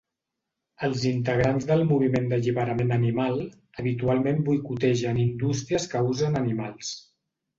Els integrants del moviment d'alliberament animal habitualment boicotegen indústries que usen animals.